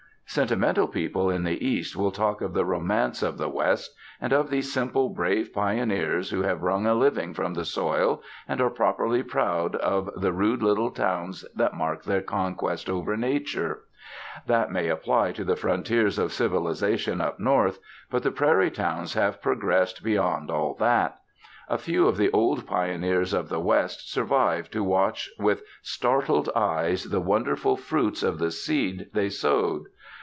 Sentimental people in the East will talk of the romance of the West, and of these simple, brave pioneers who have wrung a living from the soil, and are properly proud of the rude little towns that mark their conquest over nature. That may apply to the frontiers of civilisation up North, but the prairie towns have progressed beyond all that. A few of the old pioneers of the West survive to watch with startled eyes the wonderful fruits of the seed they sowed.